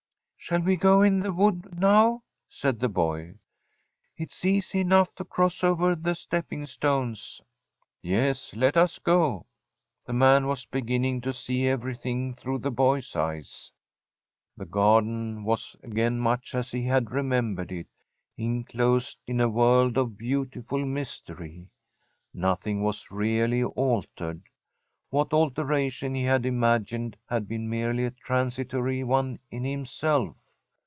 'Shall we go in the wood now?' said the boy. 'It's easy enough to cross over the stepping stones.' 'Yes, let us go.' The man was beginning to see everything through the boy's eyes. The garden was again much as he had remembered it, inclosed in a world of beautiful mystery. Nothing was really altered. What alteration he had imagined had been merely a transitory one in himself.